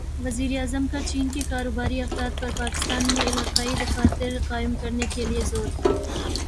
وزیراعظم کا چین کے کاروباری افراد پر پاکستان میں علاقائی دفاتر قائم کرنے کیلئے زور